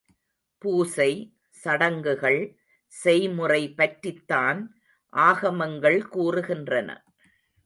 பூசை, சடங்குகள் செய்முறை பற்றித்தான் ஆகமங்கள் கூறுகின்றன.